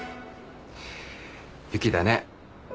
雪だね。